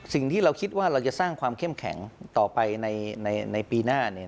สิ่งที่เราคิดว่าเราจะสร้างความเข้มแข็งต่อไปในปีหน้า